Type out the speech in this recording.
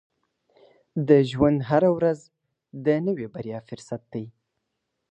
• د ژوند هره ورځ د نوې بریا فرصت دی.